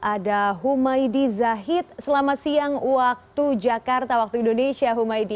ada humaydi zahid selamat siang waktu jakarta waktu indonesia humaydi